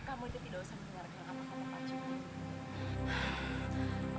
kamu itu tidak usah mengeluarkan apa apa kepada pakcik